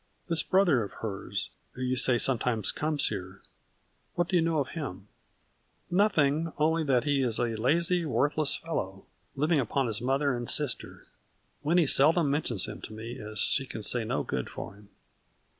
" This brother of hers, who you say some times comes here, what do you know of him ?" 46 A FLURRY IN DIAMONDS. " Nothing only that he is a lazy, worthless fellow, living upon his mother and sister. Winnie seldom mentions him to me as she can say no good of him."